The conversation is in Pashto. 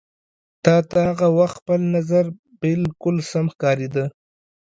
تا ته هغه وخت خپل نظر بالکل سم ښکارېده.